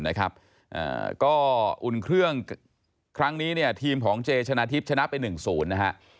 นะครับก็อุ่นเครื่องครั้งนี้ทีมของเจชนะทิพย์ชนะเป็นหนึ่งศูนย์นะฮะ